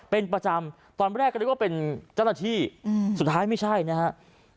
เป็นประจำตอนแรกก็นึกว่าเป็นเจ้าหน้าที่สุดท้ายไม่ใช่นะครับ